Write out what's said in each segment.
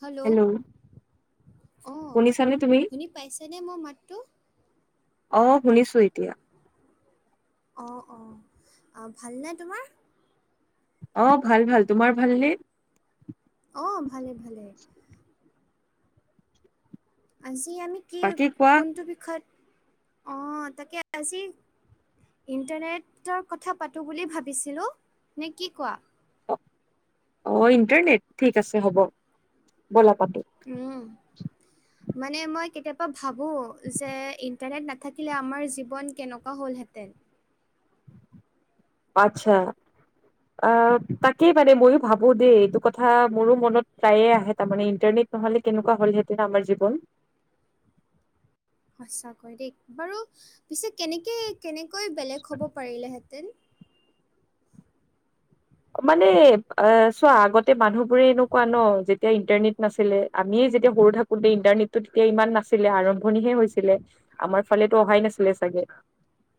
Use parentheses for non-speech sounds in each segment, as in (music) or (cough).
Hello অঁ, শুনিছানে তুমি? শুনি পাইছেনে মোৰ মাতটো? অ, শুনিছোঁ এতিয়া। অ, অ, ভালনে তোমাৰ? অ ভাল ভাল। তোমাৰ ভাল নে? অ, ভালে ভালে। আজি আমি কি বাকী কোৱা কোনটো বিষয়ত, অ, তাকে আজি ইণ্টাৰনেটৰ কথা পাতোঁ বুলি ভাবিছিলোঁ। নে কি কোৱা? অ', অ ইণ্টাৰনেট ঠিক আছে হ'ব, বলা পাতো। উম, মানে মই কেতিয়াবা ভাবোঁ যে ইণ্টাৰনেট নাথাকিলে আমাৰ জীৱন কেনেকুৱা হ'লহেঁতেন। আচ্ছা, অ তাকেই মানে ময়ো ভাবো দেই, এইটো কথা মোৰো মনত প্ৰায়ে আহে তাৰমানে ইণ্টাৰনেট নহ'লে কেনেকুৱা হ'লহেঁতেন আমাৰ জীৱন? সঁচাকৈ দেই বাৰু পিছে কেনেকৈ কেনেকৈ বেলেগ হ'ব পাৰিলেহেঁতেন? মানে অ চোৱা আগতে মানুহ বোৰে এনেকুৱা ন যেতিয়া ইণ্টাৰনেট নাছিলে, আমিয়ে যেতিয়া সৰু থাকো ন্ত ইণ্টাৰনেটটো তেতিয়া ইমান নাছিলে, আৰম্ভণিহে হৈছিলে। আমাৰ ফালেতো অহাই নাছিলে চাগে।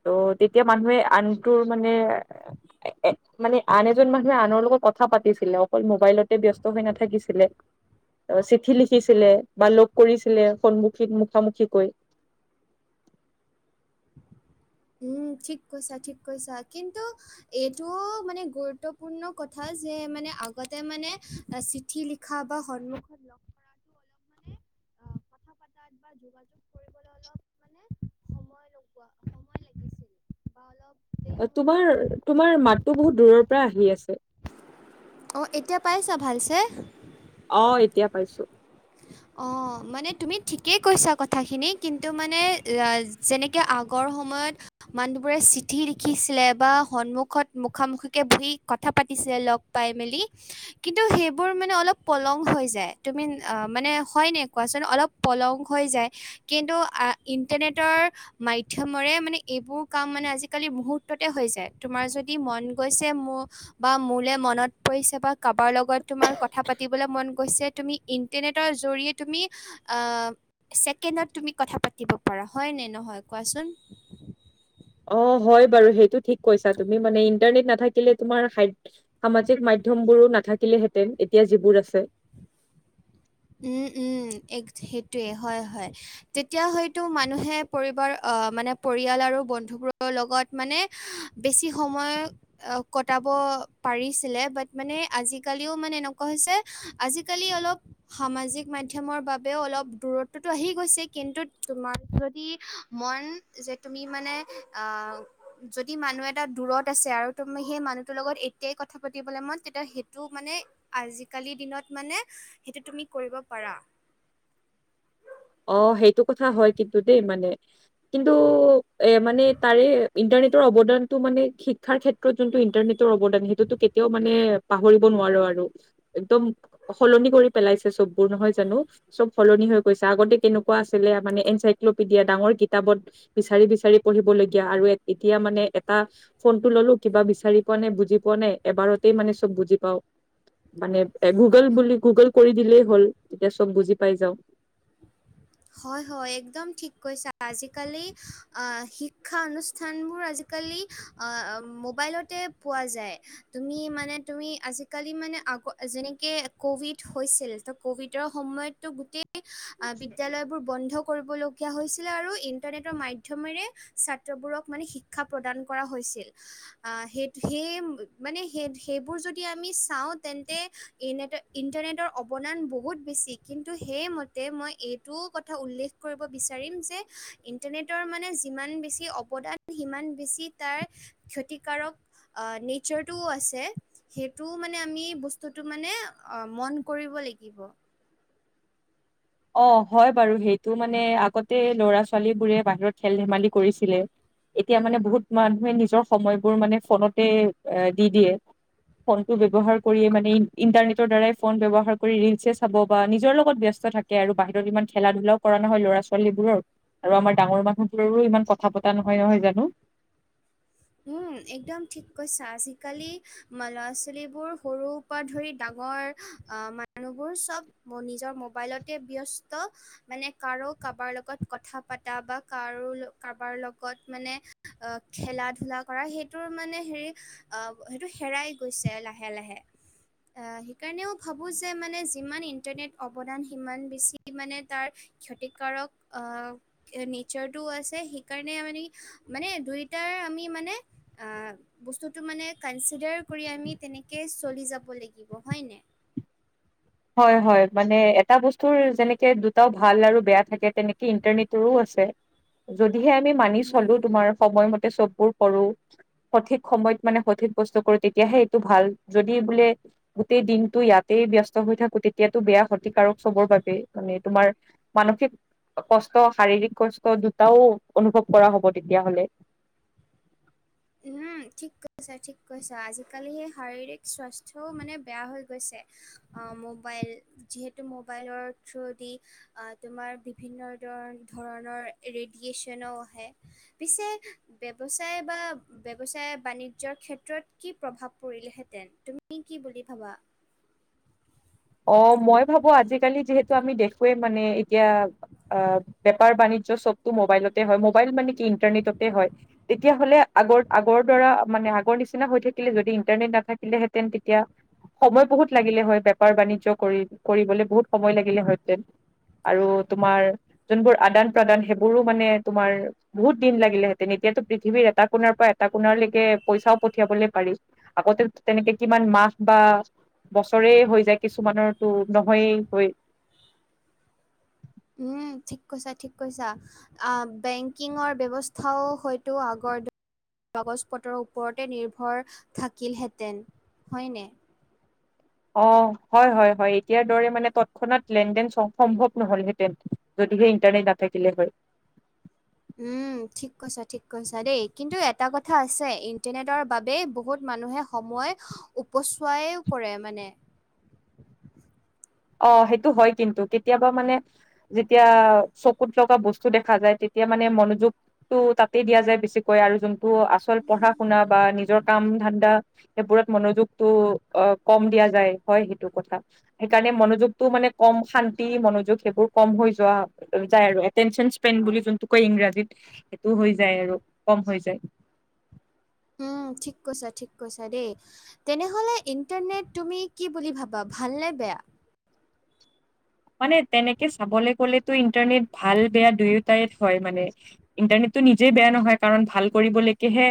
ত' তেতিয়া মানুহে আনটো মানে মানে, আন এজন মানুহে আনৰ লগত কথা পাতিছিলে, অকল মোবাইলতে ব্যস্ত হৈ নাথাকিছিলে। চিঠি লিখিছিলে বা লগ কৰিছিলে সন্মুখী মুখামুখিকৈ। উম, ঠিক কৈছা ঠিক কৈছা। কিন্তু এইটো মানে গুৰুত্বপূৰ্ণ কথা যে মানে আগতে মানে চিঠি লিখি খা বা সন্মুখত লগ কৰাটো অলপ কথা পাতাত বা যোগাযোগ কৰিবলৈ অলপ মানে সময় সময় লাগিছিল বা অলপ দেৰি হৈ তোমাৰ গৈছিলে। তোমাৰ মাতো বহুত দূৰৰ পৰা আহি আছে। অ, এতিয়া পাইছা ভালছে? অ, এতিয়া পাইছোঁ। (inaudible) অ, মানে তুমি ঠিকেই কৈছা কথাখিনি, কিন্তু মানে যেনেকৈ আগৰ সময়ত মানুহবোৰে চিঠি লিখিছিলে বা সন্মুখত মুখামুখিকে বহি কথা পাতিছিলে। লগ পাই মেলি, কিন্তু সেইবোৰ মানে অলপ পলম হৈ যায়। তুমি মানে হয়নে কোৱাচোন? অলপ পলম হৈ যায়, কিন্তু ইণ্টাৰনেটৰ মাধ্যমৰে মানে এইবোৰ কাম মানে আজিকালি মুহূৰ্ততে হৈ যায়, তোমাৰ যদি মন গৈছে মোৰ বা মোলে মনত পৰিছে বা কাৰোবাৰ লগত তোমাৰ কথা পাতিবলৈ মন গৈছে, তুমি নেতৰ জৰিয়ে তুমি, আহ। ছেকেণ্ডত তুমি কথা পাতিব পাৰা, হয় ন নহয় কোৱা চোন? অ', হয় বাৰু সেইটো, ঠিক কৈছা তুমি। মানে ইণ্টাৰনেট নাথাকিলে তোমাৰ সামাজিক মাধ্যমবোৰো নাথাকিলেহেঁতেন, এতিয়া যিবোৰ আছে। উম উম। এক সেইটোৱেই হয় হয়। তেতিয়া হয়তো মানুহে পৰিবাৰ আহ মানে পৰিয়াল আৰু বন্ধুবোৰৰ লগত মানে বেছি সময় অহ, কটাব পাৰিছিলে। বাত মানে আজিকালিও মানে এনেকুৱা হৈছে আজিকালি অলপ সামাজিক মাধ্যমৰ বাবেও অলপ দূৰত্বটো আহি গৈছে, কিন্তু তোমাৰ যদি মন যে তুমি মানে, আহ যদি মানুহ এটা দূৰত আছে আৰু তুমি সেই মানুহটোৰ লগত এতিয়াই কথা পাতিবলে মন, তেতিয়া সেইটো মানে আজিকালি দিনত মানে সেইটো তুমি কৰিব পাৰা। অ', সেইটো কথা হয় কিন্তু দেই মানে। কিন্তু এ মানে তাৰে ইণ্টাৰনেটৰ অৱদানতটো মানে, শিক্ষাৰ ক্ষেত্ৰত যোনটো ইণ্টাৰনেট অৱদান, সেইটোতো কেতিয়াও মানে পাহৰিব নোৱাৰো আৰু। একদম সলনি কৰি পেলাইছে চববোৰ নহয় জানো? চব সলনি হৈ গৈছে। আগতে কেনেকুৱা আছিলে মানে এনচাইক্লোপিডিয়া, ডাঙৰ কিতাপত বিচাৰি বিচাৰি পঢ়িবলগীয়া আৰু এতিয়া মানে এটা ফোনটো ল'লো কিবা বিচাৰি পোৱা নাই বুজি পোৱা নাই, এবাৰতেই মানে চব বুজি পাও। মানে এ গুগল বুলি গুগল কৰি দিলেই হ'ল, তেতিয়া চব বুজি পাই যাও। (inaudible) হয় হয়। একদম ঠিক কৈছা, আজিকালি অ শিক্ষা অনুষ্ঠান বোৰ আজ আজিকালি মোবাইলতেই পোৱা যায়। তুমি মানে তুমি আজিকালি মানে আগ যেনেকে ক'ভিড হৈছিল, তো ক'ভিডৰ সময়ত ত' গোটেই বিদ্যালয়বোৰ বন্ধ কৰিব ল গীয়া হৈছিলে আৰু ইণ্টাৰনেটৰ মাধ্যমেৰে ছাত্ৰবোৰক মানে শিক্ষা প্ৰদান কৰা হৈছিল। আহ, সেই সেই মানে স সেইবোৰ যদি আমি চাওঁ তেন্তে ইনেটৰ ইণ্টাৰনেটৰ অৱদান বহুত বেছি, কিন্তু সেইম মই এইটোও কথা উল্লেখ কৰিব বিচাৰিম যে, ইণ্টাৰনেটৰ মানে যিমান বেছি অৱদান সিমান বেছি তাৰ ক্ষতিকাৰক নেচাৰটোও আছে। সেইটোও মানে আমি বস্তুতটো মানে অ মন কৰিব লাগিব। অ', হয় বাৰু সেইটো মানে আগতে ল'ৰা ছোৱালী বোৰে বাহিৰত খেল ধেমালি কৰিছিলে। এতিয়া মানে বহুত মানুহে নিজৰ সময়বোৰ মানে ফোনতে এ দি দিয়ে। ফোনটো ব্যৱহাৰ কৰিয়েই মানে, ইন্টাৰনেটৰ দ্বাৰাই ফোন ব্যৱহাৰ কৰি ৰিলচ চাব বা নিজৰ লগত ব্যস্ত থাকে। আৰু বাহিৰত ইমান খেলা ধূলাও কৰা নহয় ল'ৰা ছোৱালীবোৰৰ। আৰু আমাৰ ডাঙৰ মানুহবোৰৰো ইমান কথা পতা নহয়, নহয় জানো? উম, একদম ঠিক কৈছা, আজিকালি ল'ৰা ছোৱালীবোৰ সৰু ধৰি ডাঙৰ মানুহবোৰ চব নিজৰ মোবাইলতেই ব্যস্ত। মানে কাৰো কাৰোবাৰ লগত কথা পাতা বা কাৰো কাৰোবাৰ লগত মানে অ' খেলাত খেলা কৰা সেইটোৰ মানে হেৰি, অ' সেইটো হেৰাই গৈছে লাহে লাহে। সেইকাৰণেও ভাবোঁ যে মানে যিমান ইণ্টাৰনেট অৱদান সিমান বেছি মানে তাৰ ক্ষতিকাৰক আহ নেচাৰটোওঁ আছে, সেইকাৰণে আমি মানে দুইটাৰ আমি মানে বস্ততো মানে কনচিডাৰ কৰি আমি তেনেকে চলি যাব লাগিব হয়নে। হয়, হয়, মানে এটা বস্তুৰ যেনেকে দুটাও ভাল আৰু বেয়া থাকে তেনেকৈ ইণ্টাৰনেটৰো আছে। যদিহে আমি মানি উম চলোঁ, তোমাৰ সময়মতে চববোৰ কৰোঁ। সঠিক সময়ত মানে সঠিক বস্তু কৰোঁ। তেতিয়াহে এইটো ভাল যদি বোলে। গোটেই দিনটো ইয়াতেই ব্যস্ত। হৈ থাকো তেতিয়াতো বেয়া ক্ষতিকাৰক চবৰ বাবে মানে তোমাৰ মানসিক। কষ্ট শাৰীৰিক কষ্ট দুটাও অনুভৱ কৰা হ'ব তেতিয়া হ'লে। (unintelligible) ঠিক কৈছা, ঠিক কৈছা, আজিকালি সেই শাৰীৰিক স্বাস্থ্যও মানে বেয়া হৈ গৈছে। মোবাইল, যিহেতু মোবাইলৰ থ্ৰুদি তোমাৰ বিভিন্ন ধ ধৰণৰ ৰেডিয়েচনো আহে। পিছে ব্যৱচায় বা। ব্যৱচায় বাণিজ্যৰ ক্ষেত্ৰত কি প্ৰভাৱ পৰিলেহেঁতেন তুমি কি বুলি ভাবা? অ 'মই ভাবোঁ আজিকালি যিহেতু আমি দেখোৱেই মানে এতিয়া। অ 'বেপাৰ বাণিজ্য চবটো মোবাইলতে হয়, মোবাইল মানে ইন্টাৰনেট হয়, তেতিয়া হ'লে আগৰ আগৰ পৰা মানে আগৰ নিচিনা হৈ থা যদি ইণ্টাৰনেট নাথাকিলেহেঁতেন, তেতিয়া সময় বহুত লাগিলে হয়। বেপাৰ বাণিজ্যয কৰি কৰিবলৈ বহুত সময় লাগিলে হয়তে আৰু তোমাৰ যোনবোৰ আদান প্ৰদান সেইবোৰো মানে তোমাৰ বহুত দিন লাগিলেহেঁতেন, এতিয়াতো পৃথিৱীৰ এটা কোণাৰ পৰা, এটা কোণাৰ লকে পইচাও পঠিয়াবলে পাৰি। আগতে, তেনেকে কিমান মাহ বা বছৰে হৈছে। যে কিছুমানৰতো নহয়েই হয়। উম, ঠিক কৈছা, ঠিক কৈছা। আ বেংকিঙৰ ব্যৱস্থাও হয়তো আগৰ কাগজ পত্ৰৰ ওপৰতে নিৰ্ভৰ থাকিলহেঁতেন হয়নে নাই। অ' হয়, হয়, হয়, এতিয়াৰ দৰে মানে তৎক্ষণাত লেন দেন চ'ব সম্ভৱ নহলহেঁতেন। যদিহে ইণ্টাৰনেট নাথাকিলে হয়। উম, ঠিক কৈছা, ঠিক কৈছা, দেই কিন্তু এটা কথা আছে, ইণ্টাৰনেটৰ বাবে বহুত মানুহে সময় উপচোৱাইও কৰে মানে। অ' সেইটো হয় কিন্তু, কেতিয়াবা মানে যেতিয়া চকুত লগা বস্তু দেখা যায়, তেতিয়া মানে মনোযোগ টো তাতে দিয়া যায় বেছিকৈ আৰু যোনটো আচল পঢ়া শুনা বা নিজৰ কাম ধান্দা সেইবোৰত মনোযোগতটো অ' কম দিয়া যায় হয়, সেইটো কথা। সেই কাৰণে মনোযোগতটো মানে কম শান্তি মনোযোগ সেইবোৰ কম হৈ যোৱা। যায় আৰু এটেনচন স্পেন বুলি যোনটো কয় ইংৰাজীত সেইটো হৈ যায় আৰু কম হৈ যায়। উম, ঠিক কৈছা, ঠিক কৈছা দেই। তেনে হ'লে ইণ্টাৰনেট তুমি কি বুলি ভাবা, ভাল নে বেয়া? মানে তেনেকে চাবলে গ'লেতো ইণ্টাৰনেট ভাল বেয়া দুয়োটাই হয় মানে। ইণ্টাৰনেটটো নিজেই বেয়া নহয়, কাৰণ ভাল কৰিবলৈকেহে।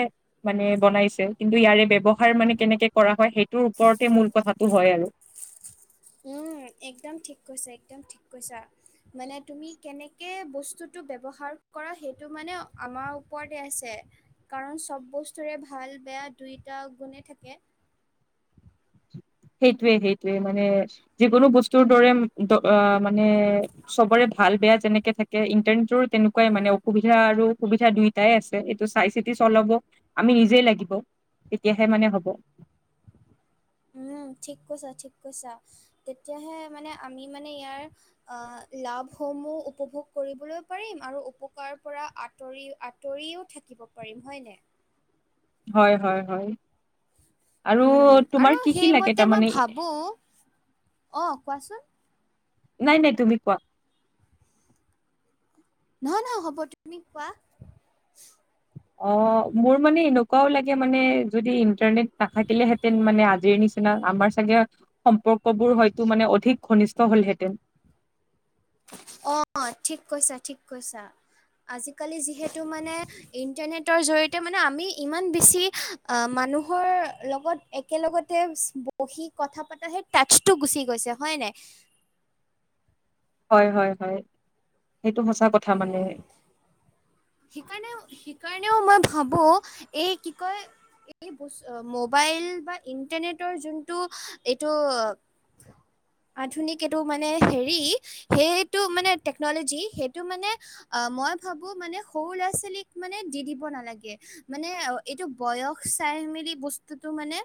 মানে বনাইছে, কিন্তু ইয়াৰে ব্যৱহাৰ মানে কেনেকে কৰা হয়, সেইটোৰ ওপৰতে মূল কথাটো হয় আৰু। উম, একদম ঠিক কৈছা, একদম ঠিক কৈছা। মানে তুমি কেনেকে বস্তুটো ব্যৱহাৰ কৰা, সেইটো মানে আমাৰ ওপৰতে আছে। কাৰণ চ'ব বস্তুৰে ভাল বেয়া দুইটা গুণে থাকে। সেইটোয়ে, সেইটোয়ে মানে যিকোনো বস্তুৰ দৰে মানে। চবৰে ভাল বেয়া যেনেকে থাকে, ইণ্টাৰনেটৰো তেনেকুৱাই মানে অসুবিধা আৰু সুবিধা দুই টাই আছে এইটো চাই চিতি চলাব আমি নিজেই লাগিব তেতিয়াহে মানে হ'ব। উম, ঠিক কৈছা, ঠিক কৈছা, তেতিয়াহে মানে আমি মানে ইয়াৰ আহ লাভসমূহ উপভোগ কৰিবলৈ পাৰিম আৰু উপকাৰ পৰা আঁতৰি আঁতৰিও থাকিব পাৰিম হয়নে নাই। হয় হয় হয়। আৰু উম, আৰু তোমাৰ কি কি লাগে সেইমতে মই তাৰমানে ভাবো অ', কোৱাচোন। নাই নাই তুমি কোৱা নহয় নহয় হ'ব তুমি কোৱা অ', মোৰ মানে এনেকুৱাও লাগে মানে যদি ইণ্টাৰনেট নাথাকিলেহেঁতেন মানে আজিৰ নিচিনা নিচিনা আমাৰ চাগে সম্পৰ্ক বোৰ হয়তো মানে অধিক ঘনিষ্ঠ হ'লহেঁতেন অ', ঠিক কৈছা ঠিক কৈছা, আজিকালি যিহেতু মানে ইণ্টাৰনেটৰ জৰি়য়তে মানে আমি ইমান বেছি মানুহৰ লগত একেলগতে বহি কথা পাতা সেই টাচটো গুচি গৈছে হয় নাই। হয় হয় হয় সেইটো সঁচা কথা মানে। সেইকাৰণে-সেইকাৰণেও মই ভাবোঁ এই কি কয় এই মোবাইল বা ইণ্টাৰনেটৰ যোনটো এইটো আধুনিক এইটো মানে হেৰি সেইটো মানে টেকন'লজি সেইটো মানে অ', মই ভাবো মানে সৰু ল'ৰা ছোৱালীক মানে দি দিব নালাগে মানে এইটো বয়স চাই মেলি বস্তুটো মানে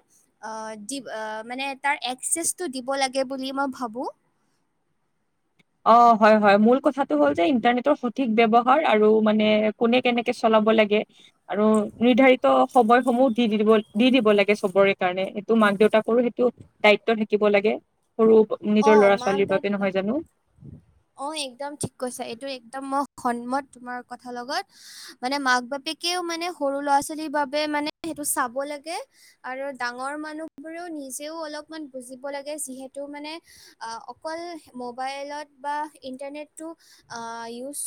আ দিব আ মানে তাৰ একসেচটো দিব লাগে বুলি মই ভাবো। অ', হয় হয় মূল কথাটো হ'ল যে ইন্টাৰনেটৰ সঠিক ব্যৱহাৰ আৰু মানে কোনে কেনেকে চলাব লাগে আৰু নিৰ্ধাৰিত সময়সমূহ দি দিব দি দিব লাগে চবৰে কাৰণে সেইটো মাক দেউতাকৰো সেইটো দায়িত্ব থাকিব লাগে সৰু অ নিজৰ ল'ৰা মাক ছোৱালীৰ বাবে দেউত নহয় জানো। অ', একদম ঠিক কৈছা, এইটো একদম মই সন্মত তোমাৰ কথা লগত মানে মাক বাপেকেও মানে সৰু ল'ৰা ছোৱালীৰ বাবে মানে সেইটো চাব লাগে আৰু ডাঙৰ মানুহ বোৰেও নিজেও অলপমান বুজিব লাগে যিহেতু মানে অকল মোবাইলত বা ইন্টাৰনেটটো ইউজ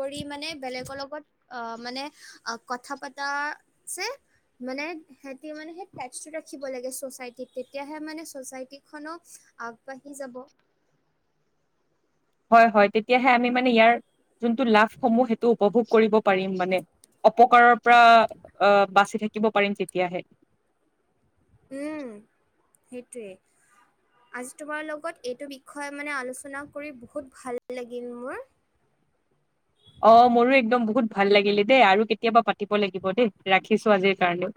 কৰি মানে বেলেগৰ লগত মানে কথা পাতাৰ যে মানে সিহঁতি মানে সেই টাচটো ৰাখিব লাগে ছচাইটিত তেতিয়াহে মানে ছচাইটিখনক বাঢ়ি যাব। হয় হয় তেতিয়াহে আমি মানে ইয়াৰ যোনটো লাভসমূহ সেইটো উপভোগ কৰিব পাৰিম মানে অপকাৰৰ পৰা আহ বাচি থাকিব পাৰিম তেতিয়াহে। উম, সেইটোৱে আজি তোমাৰ লগত এইটো বিষয়ে মানে আলোচনা কৰি বহুত ভাল লাগিল মোৰ অ', মোৰো একদম বহুত ভাল লাগিলে দেই আৰু কেতিয়াবা পাতিব লাগিব দেই ৰাখিছো আজিৰ কাৰণেও।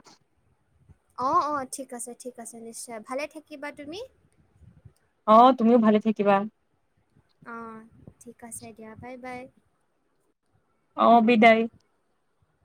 অ', অ', ঠিক আছে ঠিক আছে নিশ্চয়, ভালে থাকিবা তুমি। অ', তুমিও ভালে থাকিবা। অ', ঠিক আছে দিয়া বাই বাই। অ', বিদায়।